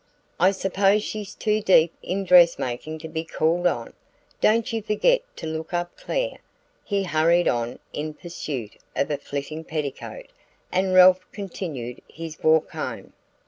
I suppose she's too deep in dress making to be called on? Don't you forget to look up Clare!" He hurried on in pursuit of a flitting petticoat and Ralph continued his walk home.